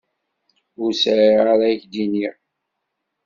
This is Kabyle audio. Ur sεiɣ ara k-d-iniɣ.